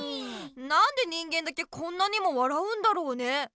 なんで人間だけこんなにも笑うんだろうね？